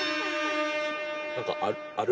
何かある？